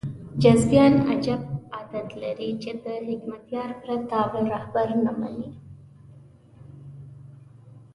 حزبیان عجیب عادت لري چې د حکمتیار پرته بل رهبر نه مني.